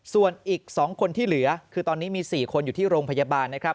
ส่วนอีก๒คนที่เหลือคือตอนนี้มี๔คนอยู่ที่โรงพยาบาลนะครับ